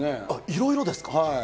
いろいろですか？